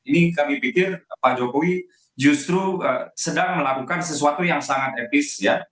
ini kami pikir pak jokowi justru sedang melakukan sesuatu yang sangat etis ya